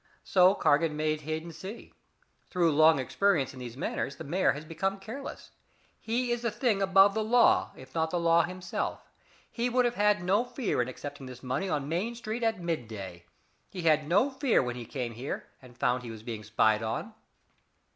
"So Cargan made Hayden see. Through long experience in these matters the mayor has become careless. He is the thing above the law, if not the law itself. He would have had no fear in accepting this money on Main Street at midday. He had no fear when he came here and found he was being spied on.